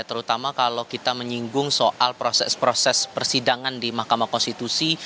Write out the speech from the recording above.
terutama kalau kita menyinggung soal proses proses persidangan di mahkamah konstitusi